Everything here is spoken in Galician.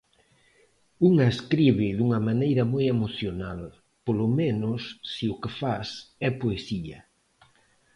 Unha escribe dunha maneira moi emocional, polo menos se o que fas é poesía.